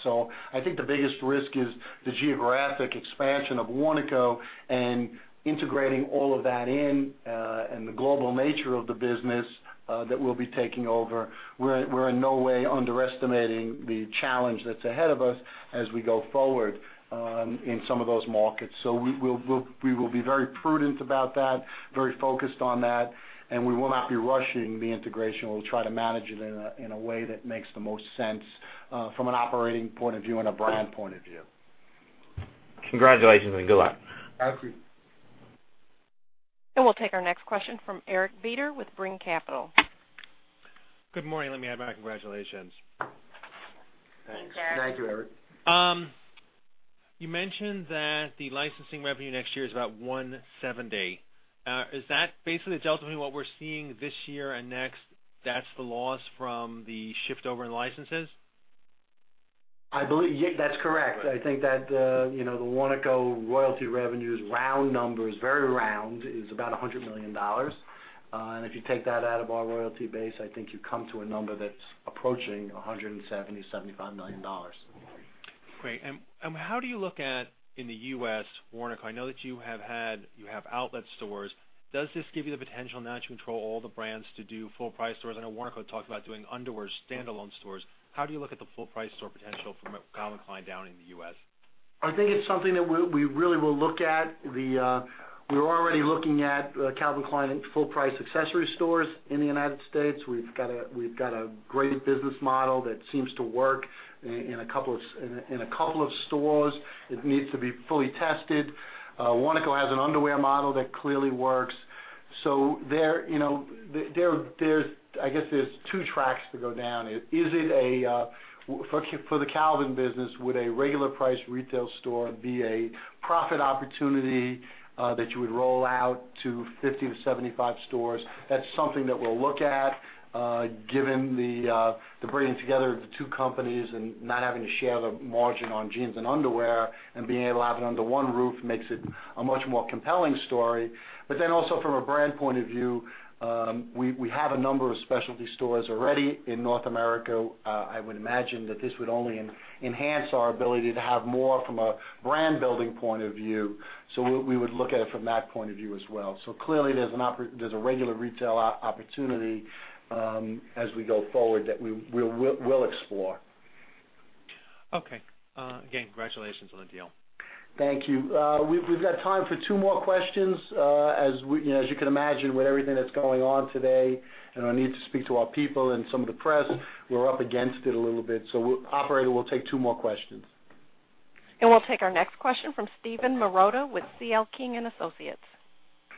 I think the biggest risk is the geographic expansion of Warnaco and integrating all of that in, and the global nature of the business that we will be taking over. We're in no way underestimating the challenge that's ahead of us as we go forward in some of those markets. We will be very prudent about that, very focused on that, and we will not be rushing the integration. We'll try to manage it in a way that makes the most sense from an operating point of view and a brand point of view. Congratulations, and good luck. Thank you. We'll take our next question from Eric Beder with Brean Capital. Good morning. Let me add my congratulations. Thanks, Eric. Thank you, Eric. You mentioned that the licensing revenue next year is about $170. Is that basically delta what we're seeing this year and next? That's the loss from the shift over in licenses? I believe, yeah. That's correct. I think that the Warnaco royalty revenue is round numbers, very round, is about $100 million. If you take that out of our royalty base, I think you come to a number that's approaching $170 million-$175 million. Great. How do you look at, in the U.S., Warnaco? I know that you have outlet stores. Does this give you the potential now that you control all the brands to do full price stores? I know Warnaco talked about doing underwear standalone stores. How do you look at the full price store potential for Calvin Klein down in the U.S.? I think it's something that we really will look at. We're already looking at Calvin Klein full-price accessory stores in the United States. We've got a great business model that seems to work in a couple of stores. It needs to be fully tested. Warnaco has an underwear model that clearly works. There's two tracks to go down. For the Calvin business, would a regular price retail store be a profit opportunity that you would roll out to 50-75 stores? That's something that we'll look at, given the bringing together of the two companies and not having to share the margin on jeans and underwear, and being able to have it under one roof makes it a much more compelling story. Also from a brand point of view, we have a number of specialty stores already in North America. I would imagine that this would only enhance our ability to have more from a brand-building point of view. We would look at it from that point of view as well. Clearly, there's a regular retail opportunity as we go forward that we'll explore. Okay. Again, congratulations on the deal. Thank you. We've got time for two more questions. As you can imagine, with everything that's going on today, and our need to speak to our people and some of the press, we're up against it a little bit. Operator, we'll take two more questions. We'll take our next question from Steven Marotta with C.L. King & Associates.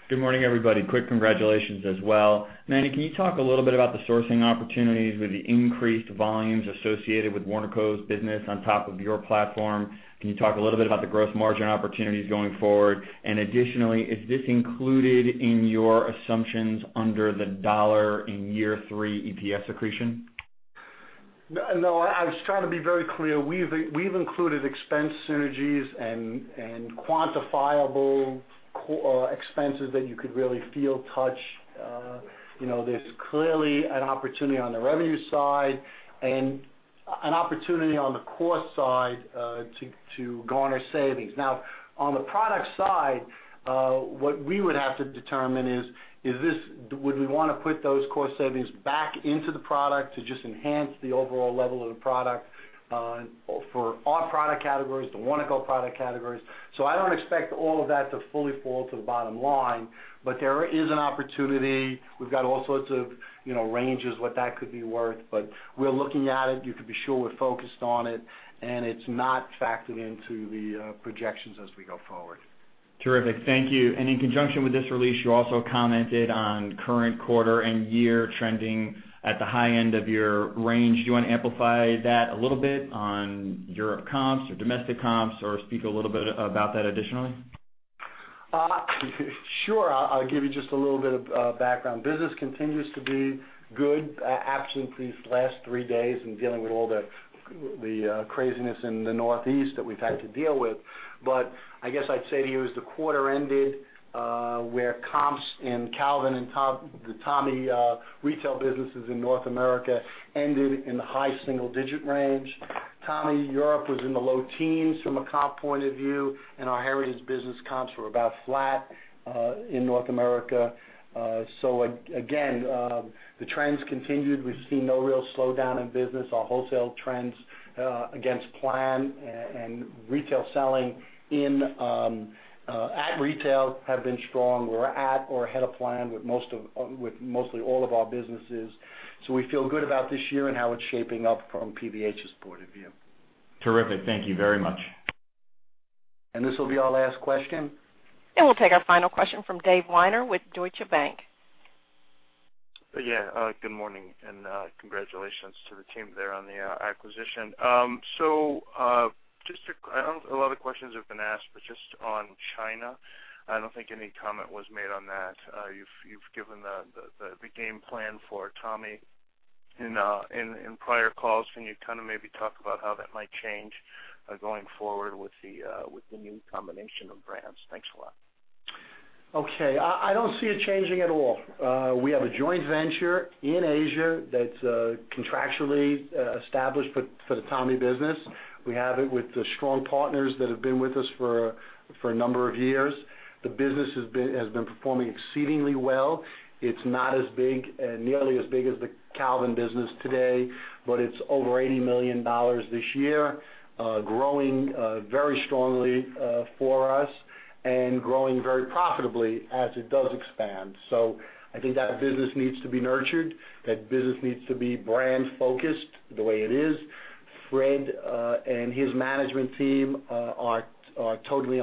Good morning, everybody. Quick congratulations as well. Manny, can you talk a little bit about the sourcing opportunities with the increased volumes associated with Warnaco's business on top of your platform? Can you talk a little bit about the gross margin opportunities going forward? Additionally, is this included in your assumptions under the $1 in year 3 EPS accretion? No. I was trying to be very clear. We've included expense synergies and quantifiable expenses that you could really feel, touch. There's clearly an opportunity on the revenue side and an opportunity on the core side to garner savings. Now, on the product side, what we would have to determine is, would we want to put those core savings back into the product to just enhance the overall level of the product for our product categories, the Warnaco product categories? I don't expect all of that to fully fall to the bottom line. There is an opportunity. We've got all sorts of ranges, what that could be worth, but we're looking at it. You can be sure we're focused on it, and it's not factored into the projections as we go forward. Terrific. Thank you. In conjunction with this release, you also commented on current quarter and year trending at the high end of your range. Do you want to amplify that a little bit on Europe comps or domestic comps, or speak a little bit about that additionally? Sure. I'll give you just a little bit of background. Business continues to be good, absolutely, these last three days in dealing with all the craziness in the Northeast that we've had to deal with. I guess I'd say to you, as the quarter ended, where comps in Calvin and the Tommy retail businesses in North America ended in the high single-digit range. Tommy Europe was in the low teens from a comp point of view, and our Heritage Business comps were about flat in North America. Again, the trends continued. We've seen no real slowdown in business. Our wholesale trends against plan and retail selling at retail have been strong. We're at or ahead of plan with mostly all of our businesses. We feel good about this year and how it's shaping up from PVH's point of view. Terrific. Thank you very much. This will be our last question. We'll take our final question from David Weiner with Deutsche Bank. Good morning. Congratulations to the team there on the acquisition. A lot of questions have been asked, just on China, I don't think any comment was made on that. You've given the game plan for Tommy in prior calls. Can you kind of maybe talk about how that might change going forward with the new combination of brands? Thanks a lot. Okay. I don't see it changing at all. We have a joint venture in Asia that is contractually established for the Tommy business. We have it with the strong partners that have been with us for a number of years. The business has been performing exceedingly well. It is not as nearly as big as the Calvin business today, but it is over $80 million this year. Growing very strongly for us and growing very profitably as it does expand. I think that business needs to be nurtured. That business needs to be brand focused the way it is. Fred and his management team are totally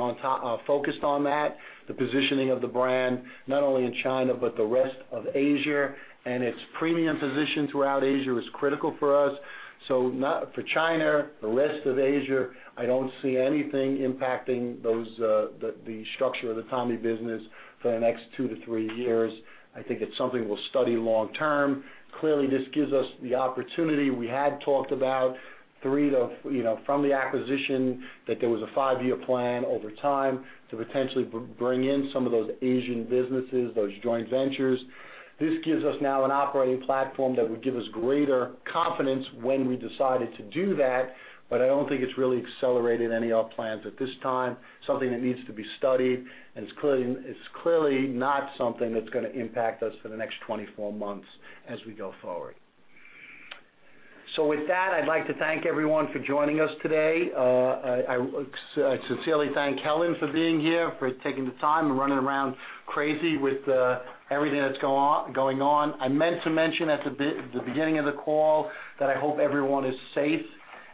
focused on that, the positioning of the brand, not only in China, but the rest of Asia, and its premium position throughout Asia is critical for us. For China, the rest of Asia, I don't see anything impacting the structure of the Tommy business for the next 2-3 years. I think it is something we will study long term. Clearly, this gives us the opportunity. We had talked about from the acquisition that there was a five-year plan over time to potentially bring in some of those Asian businesses, those joint ventures. This gives us now an operating platform that would give us greater confidence when we decided to do that, but I don't think it is really accelerated any of our plans at this time. Something that needs to be studied, and it is clearly not something that is going to impact us for the next 24 months as we go forward. With that, I would like to thank everyone for joining us today. I sincerely thank Helen for being here, for taking the time and running around crazy with everything that is going on. I meant to mention at the beginning of the call that I hope everyone is safe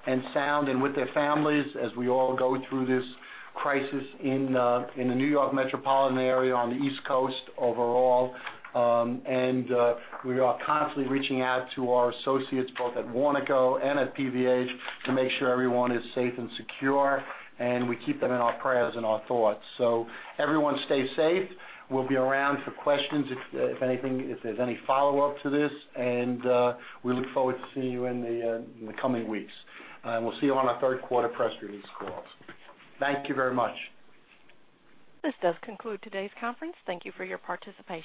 and sound and with their families as we all go through this crisis in the New York metropolitan area, on the East Coast overall. We are constantly reaching out to our associates, both at Warnaco and at PVH, to make sure everyone is safe and secure, and we keep them in our prayers and our thoughts. Everyone stay safe. We will be around for questions if there is any follow-up to this. We look forward to seeing you in the coming weeks. We will see you on our third quarter press release calls. Thank you very much. This does conclude today's conference. Thank you for your participation